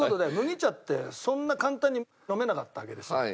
麦茶ってそんな簡単に飲めなかったわけですよ。